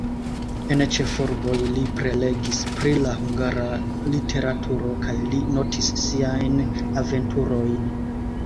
En ĉefurboj li prelegis pri la hungara literaturo kaj li notis siajn aventurojn.